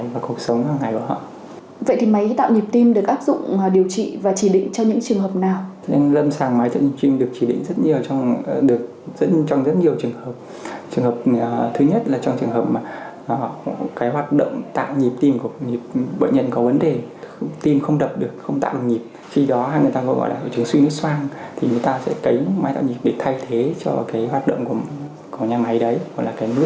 vậy thì máy tạo nhịp tim được áp dụng điều trị và chỉ định cho những trường hợp nào